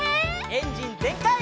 エンジンぜんかい！